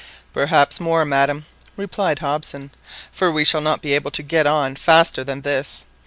"Perhaps more, madam," replied Hobson, "for we shall not be able to get on faster than this.